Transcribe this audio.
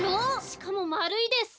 しかもまるいです！